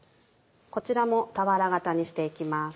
こちらも俵形にして行きます。